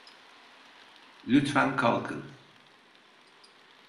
Lütfen kalkın.